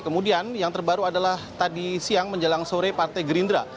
kemudian yang terbaru adalah tadi siang menjelang sore partai gerindra